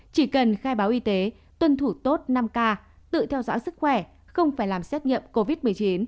chỉ cần khai báo y tế tuân thủ tốt năm k tự theo dõi sức khỏe không phải làm xét nghiệm covid một mươi chín